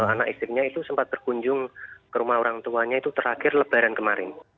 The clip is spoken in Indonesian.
anak istrinya itu sempat berkunjung ke rumah orang tuanya itu terakhir lebaran kemarin